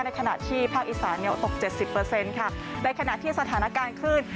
ในขณะที่ภาคอิสาเนียวตกเจ็ดสิบเปอร์เซ็นต์ค่ะในขณะที่สถานการณ์คลื่น